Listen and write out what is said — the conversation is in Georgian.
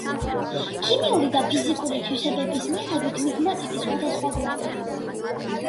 ქიმიური და ფიზიკური თვისებების მიხედვით მიგმატიტი სხვადასხვაგვარია.